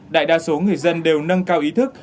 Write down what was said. đại đa số người dân đều nâng cao ý thức